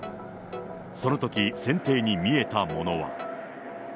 そのとき、船底に見えたものは。